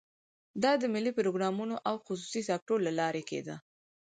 دا د ملي پروګرامونو او خصوصي سکتور له لارې کېده.